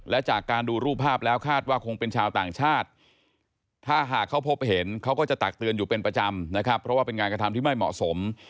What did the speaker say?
และจากการดูรูปภาพแล้วคาดว่าคงเป็นชาวต่างชาติถ้าหากเขาพบเห็นเขาก็จะตักเตือนอยู่เป็นประจำนะครับเพราะว่าเป็นงานกระทำที่ไม่เหมาะสม